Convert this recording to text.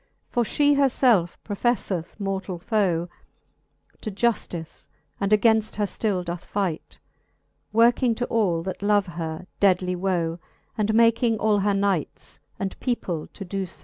For Ihe her felfe profefleth mortall foe To juftice, and againft her ftill doth fight, Working to all, that love her, deadly woe, And making all her knights and people to doe fb, R ^ XXI.